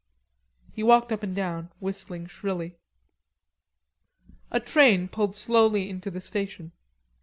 He walked up and down whistling shrilly. A train pulled slowly into the station.